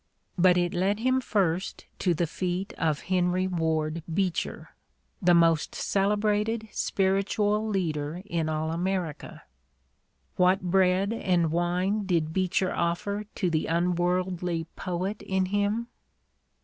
But it led him first to the feet of Henry "Ward Beecher, the most celebrated spiritual leader in all America. "What bread and wine did Beecher offer to the unworldly poet in him?